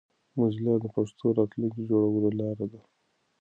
موزیلا د پښتو د راتلونکي جوړولو لاره ده.